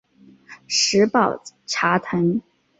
石宝茶藤